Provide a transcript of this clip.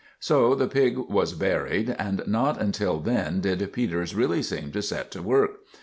So the pig was buried, and not until then did Peters really seem to set to work.